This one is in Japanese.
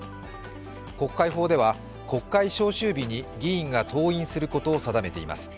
国会法では国会召集日に議員が登院することを定めています。